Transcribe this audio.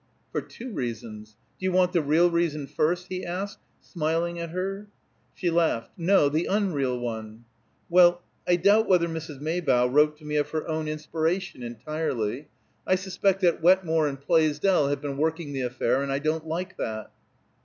"For two reasons. Do you want the real reason first?" he asked, smiling at her. She laughed. "No, the unreal one!" "Well, I doubt whether Mrs. Maybough wrote to me of her own inspiration, entirely. I suspect that Wetmore and Plaisdell have been working the affair, and I don't like that."